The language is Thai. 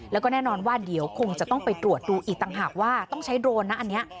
แล้วก็แน่นอนว่าเดี๋ยวคงจะต้องไปตรวจดูอีกต่างหากว่าต้องใช้โดรนนะอันนี้